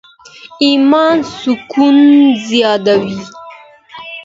ایمان سکون زېږوي.